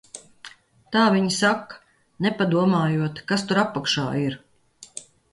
Tā viņi saka, nepadomājot, kas tur apakšā ir.